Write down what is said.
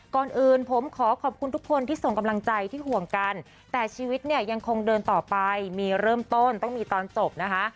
ก่อนอื่นผมขอขอบคุณทุกคนที่ส่งกำลังใจที่ห่วงกันแต่ชีวิตเนี่ยยังคงเดินต่อไปมีเริ่มต้นต้องมีตอนจบนะคะ